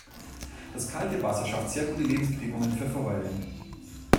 Das kalte Wasser schafft sehr gute Lebensbedingungen für Forellen.